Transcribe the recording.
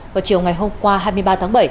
vào chiều ngày hôm qua hai mươi ba tháng bảy